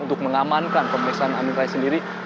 untuk mengamankan pemeriksaan amin rais sendiri